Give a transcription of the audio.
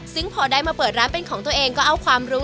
ซึ่งพอได้มาเปิดร้านเป็นของตัวเองก็เอาความรู้